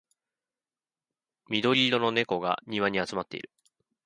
緑色の猫が庭に集まっている